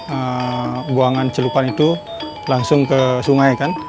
jadi kita mencoba mengeluarkan buangan celupan itu langsung ke sungai